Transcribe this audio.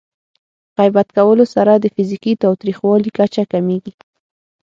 غیبت کولو سره د فزیکي تاوتریخوالي کچه کمېږي.